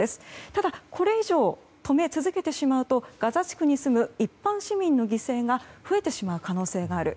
ただ、これ以上止め続けてしまうとガザ地区に住む一般市民の犠牲が増えてしまう可能性がある。